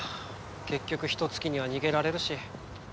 結局ヒトツ鬼には逃げられるし。